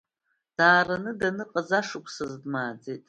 Даараны даныҟаз ашықәс азы дмааӡеит.